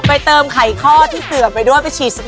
ไปเติมไขข้อที่เสือกไปด้วย